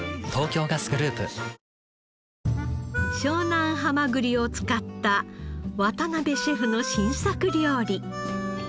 湘南はまぐりを使った渡辺シェフの新作料理。